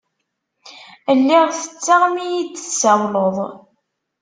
Lliɣ tetteɣ mi yi-d-tsawleḍ.